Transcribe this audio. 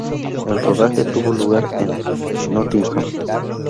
El rodaje tuvo lugar en Nottingham.